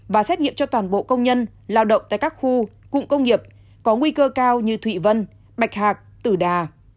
và xét nghiệm cho toàn bộ công nhân lao động tại các khu cụm công nghiệp có nguy cơ cao như thụy vân bạch hạc tử đà